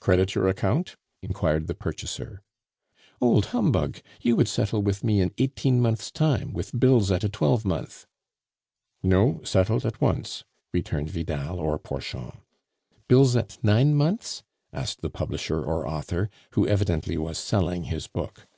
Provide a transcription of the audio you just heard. "Credit your account?" inquired the purchaser. "Old humbug! you would settle with me in eighteen months' time, with bills at a twelvemonth." "No. Settled at once," returned Vidal or Porchon. "Bills at nine months?" asked the publisher or author, who evidently was selling his book.